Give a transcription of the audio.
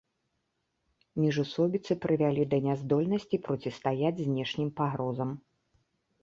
Міжусобіцы прывялі да няздольнасці процістаяць знешнім пагрозам.